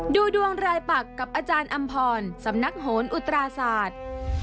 ดูดวงรายปักกับอาจารย์อำพรสำนักโหนอุตราศาสตร์